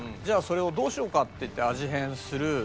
じゃあそれをどうしようかっていって味変する。